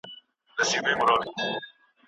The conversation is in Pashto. په انارو بار اوښان مې شول ملګري